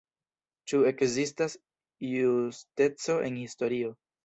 Ĉu ekzistas justeco en historio?